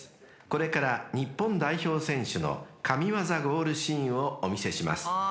［これから日本代表選手の神業ゴールシーンをお見せします］